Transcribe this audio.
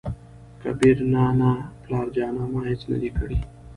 کبير : نه نه نه پلاره جانه ! ما هېڅ نه دى کړي.